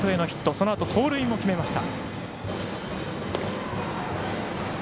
そのあと盗塁も決めました。